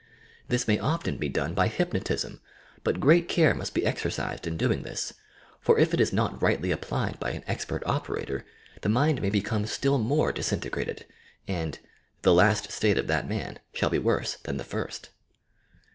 This may often be done by hypno tism, but great care must be exercised in doing this, for if it is not rightly applied by an expert operator, the mind may become still more disintegrated, and "the last state of that man shall be worse than the first."